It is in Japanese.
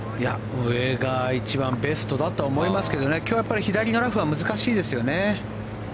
上が一番ベストだと思いますけどね今日はやっぱり左のラフは難しいですよね。